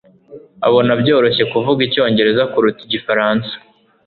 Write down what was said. abona byoroshye kuvuga icyongereza kuruta igifaransa.